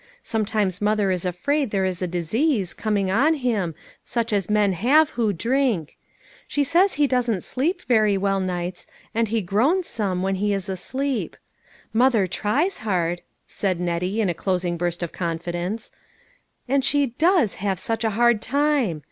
Sometimes mother is afraid there is a READY TO TRY. 341 disease coming on him such as men have who drink ; she says he doesn't sleep very well nights, and he groans some, when he is asleep. Mother tries hard," said Nettie, in a closing burst of confidence, " and she does have such a hard time